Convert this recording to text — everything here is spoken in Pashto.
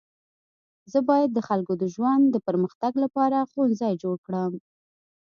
زه باید د خلکو د ژوند د پرمختګ لپاره ښوونځی جوړه کړم.